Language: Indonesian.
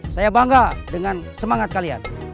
saya bangga dengan semangat kalian